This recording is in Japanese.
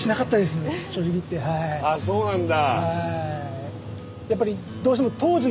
あっそうなんだ。